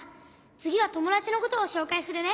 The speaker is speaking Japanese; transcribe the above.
つぎはともだちのことをしょうかいするね。